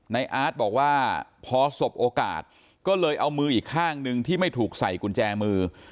อาร์ตบอกว่าพอสบโอกาสก็เลยเอามืออีกข้างหนึ่งที่ไม่ถูกใส่กุญแจมือ